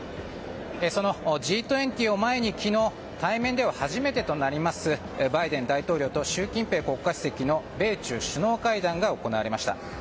そのＧ２０を前に、昨日対面では初めてとなりますバイデン大統領と習近平国家主席の米中首脳会談が行われました。